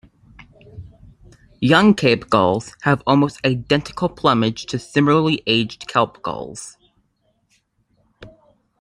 Young Cape gulls have almost identical plumage to similarly aged kelp gulls.